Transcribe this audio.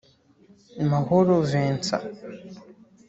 Mahoro Vincent